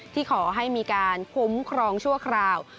ที่ขอให้มีการคุ้มครองชั่วคราว